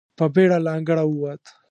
په بېړه له انګړه ووت.